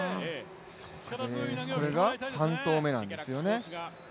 これが３投目なんですよね。